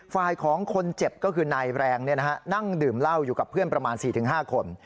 ของคนเจ็บก็คือนายแรงนั่งดื่มเหล้าอยู่กับเพื่อนประมาณ๔๕คน